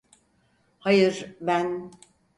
Hayır, ben...